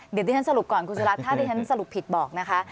เดี๋ยวที่ฉันสรุปก่อนคุณสุรัตนถ้าที่ฉันสรุปผิดบอกนะคะ